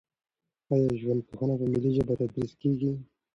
آیا ژوندپوهنه په ملي ژبه تدریس کیږي؟